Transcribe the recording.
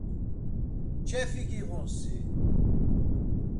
Çefi giğun si!